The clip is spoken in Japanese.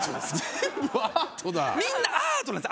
みんなアートなんです。